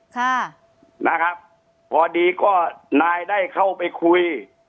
ค่ะนะครับพอดีก็นายได้เข้าไปคุย